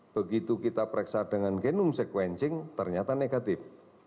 begitu kita pereksa dengan genome sequencing ternyata negatif